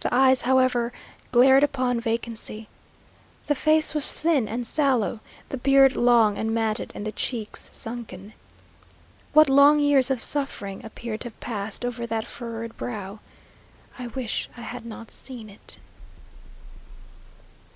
The eyes, however, glared upon vacancy. The face was thin and sallow, the beard long and matted, and the cheeks sunken. What long years of suffering appeared to have passed over that furrowed brow! I wish I had not seen it....